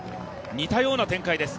似たような展開です。